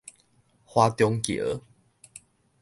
華中橋